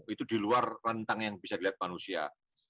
itu di luar rentang yang bisa dilihat manusia